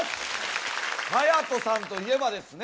はやとさんといえばですね